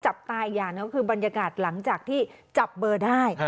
จับตาอีกอย่างก็คือบรรยากาศหลังจากที่จับเบอร์ได้